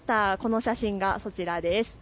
この写真がこちらです。